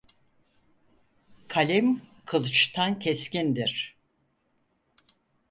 Kalem kılıçtan keskindir.